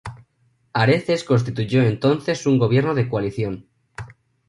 Areces constituyó entonces un gobierno de coalición.